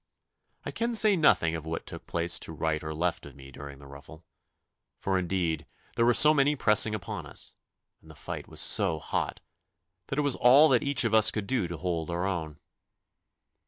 I can say nothing of what took place to right or left of me during the ruffle, for indeed there were so many pressing upon us, and the fight was so hot, that it was all that each of us could do to hold our own.